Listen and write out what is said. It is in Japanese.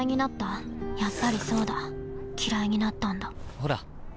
ほら。